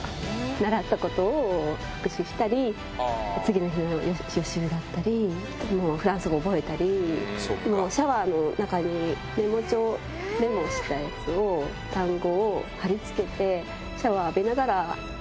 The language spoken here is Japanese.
習ったことを復習したり、次の日の予習だったり、フランス語覚えたり、もう、シャワーの中にメモ帳、メモしたやつを、単語を貼り付けて、シャワー浴び大変だな。